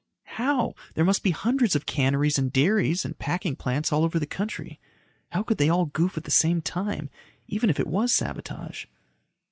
"How? There must be hundreds of canneries and dairies and packing plants over the country. How could they all goof at the same time even if it was sabotage?"